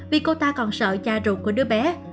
vì cô ta còn sợ cha ruột của đứa bé